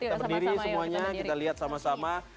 kita berdiri semuanya kita lihat sama sama